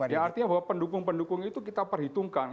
ya artinya bahwa pendukung pendukung itu kita perhitungkan